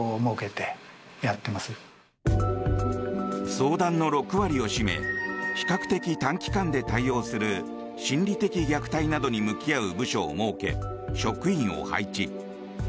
相談の６割を占め比較的短期間で対応する心理的虐待などに向き合う部署を設け職員を配置。